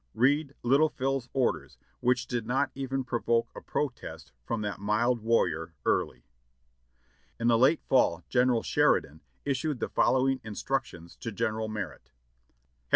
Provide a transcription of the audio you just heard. Read "Little Phil's" orders, which did not even provoke a protest from that mild warrior. Early. In the late fall General Sheridan issued the following instructions to General Merritt : "Hd.